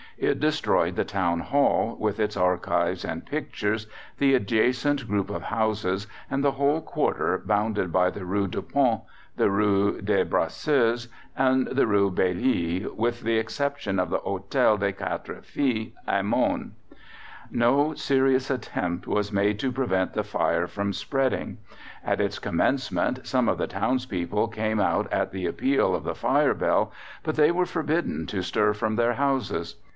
It destroyed the Town Hall, with its archives and pictures, the adjacent group of houses, and the whole quarter bounded by the Rue du Pont, the Rue des Brasseurs, and the Rue Bailly, with the exception of the Hotel des Quatre Fils Aymon. No serious attempt was made to prevent the fire from spreading. At its commencement some of the townspeople came out at the appeal of the Fire Bell, but they were forbidden to stir from their houses.